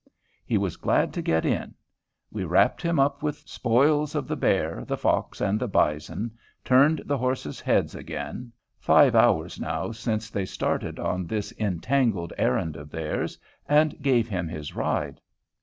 He was glad to get in. We wrapped him up with spoils of the bear, the fox, and the bison, turned the horses' heads again, five hours now since they started on this entangled errand of theirs, and gave him his ride.